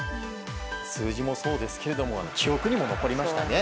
数字もそうですけれども記憶にも残りましたね。